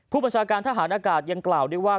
ผู้บัญชาการทหารอากาศยังกล่าวด้วยว่า